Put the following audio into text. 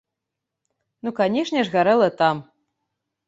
Ну, канешне ж, гарэла там!